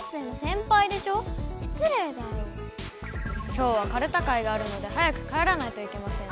今日はかるた会があるので早く帰らないといけません。